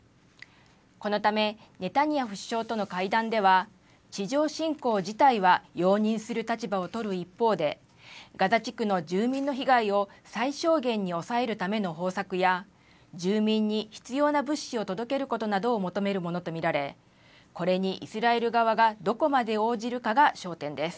このため、ネタニヤフ首相との会談では、地上侵攻自体は容認する立場を取る一方で、ガザ地区の住民の被害を最小限に抑えるための方策や、住民に必要な物資を届けることなどを求めるものと見られ、これにイスラエル側がどこまで応じるかが焦点です。